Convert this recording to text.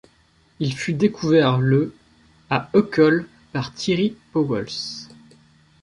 Il fut découvert le à Uccle par Thierry Pauwels.